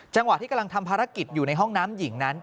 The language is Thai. จังหวะที่กำลังทำภารกิจอยู่ในห้องน้ำหญิงนั้น